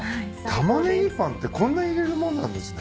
玉ねぎパンってこんな入れるもんなんですね。